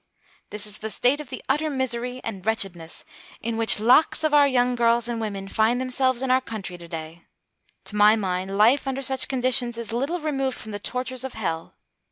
This is the state of utter misery and wretchedness in which lakhs of our young girls and women find themselves in our country to day. To my mind, life under such conditions is little removed from the tortures of hell.